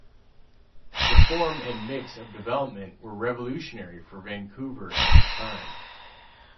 The form and mix of development were revolutionary for Vancouver at the time.